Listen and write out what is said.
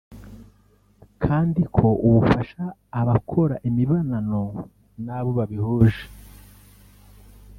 Kandi ko bufasha abakora imibonano n’abo babihuje